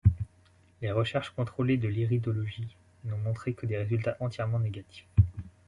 Les recherches contrôlées de l'iridologie n'ont montré que des résultats entièrement négatifs.